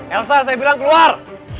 elsa saya bilang keluar